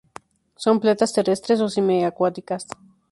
Son plantas terrestres o semi-acuáticas.